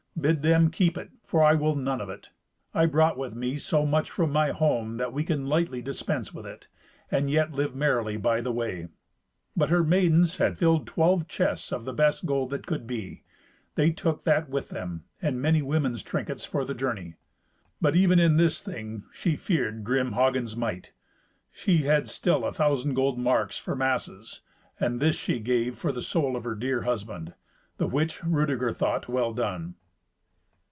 Bid them keep it, for I will none of it. I brought with me so much from my home that we can lightly dispense with it, and yet live merrily by the way." But her maidens had filled twelve chests of the best gold that could be; they took that with them, and many women's trinkets for the journey. But even in this thing she feared grim Hagen's might. She had still a thousand gold marks for masses, and this she gave for the soul for her dear husband; the which Rudeger thought well done.